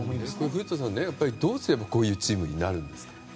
古田さん、どうすればこういうチームになるんですか？